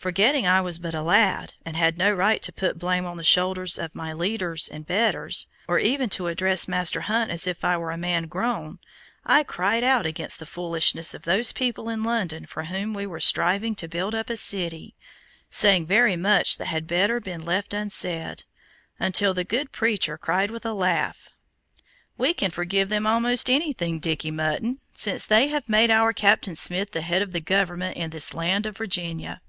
Forgetting I was but a lad, and had no right to put blame on the shoulders of my leaders and betters, or even to address Master Hunt as if I were a man grown, I cried out against the foolishness of those people in London for whom we were striving to build up a city, saying very much that had better been left unsaid, until the good preacher cried with a laugh: "We can forgive them almost anything, Dicky Mutton, since they have made our Captain Smith the head of the government in this land of Virginia."